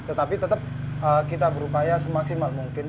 tetapi tetap kita berupaya semaksimal mungkin